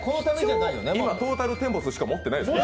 今トータルデンボスしか持ってないです。